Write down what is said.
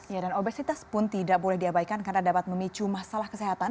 ya dan obesitas pun tidak boleh diabaikan karena dapat memicu masalah kesehatan